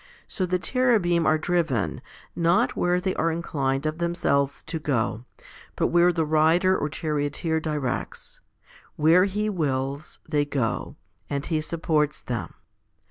So the Cherubim are driven, not where they are inclined of themselves to go, but where the Rider or Charioteer directs. Where He wills, they go; and He supports them.